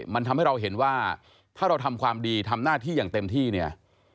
มันทำให้เราเห็นว่าถ้าเราทำความดีทำหน้าที่อย่างเต็มที่เนี่ย